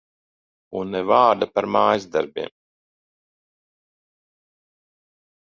Un ne vārda par mājasdarbiem.